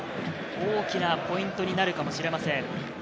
大きなポイントになるかもしれません。